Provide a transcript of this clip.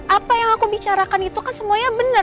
apa yang aku bicarakan itu kan semuanya benar